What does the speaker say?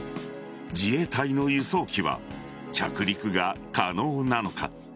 自衛隊の輸送機は着陸が可能なのか。